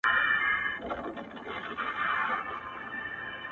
• هم جوګي وو هم دروېش هم قلندر وو,